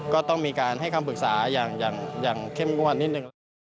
ก็ต้องมีการให้คำปรึกษาอย่างเข้มงวดนิดหนึ่งนะครับ